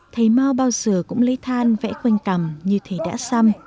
thầy mao bao giờ cũng lấy than vẽ quanh cằm như thầy đã xăm